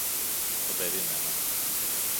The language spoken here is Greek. Το περίμενα.